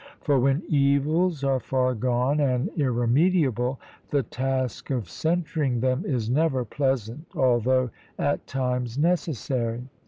For when evils are far gone and irremediable, the task of censuring them is never pleasant, although at times necessary.